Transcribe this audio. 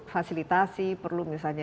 fasilitasi perlu misalnya